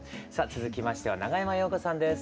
続きましては長山洋子さんです。